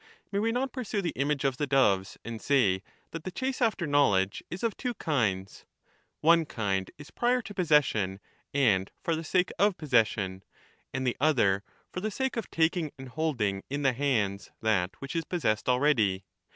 May we not pursue the image of the doves, and say that the chase after knowledge is of two kinds ? one kind is prior to possession and for the sake of possession, and the other for the sake of taking and holding in the hands that which is possessed already.